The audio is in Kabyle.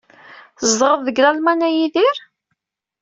Tzedɣeḍ deg Lalman a Yidir?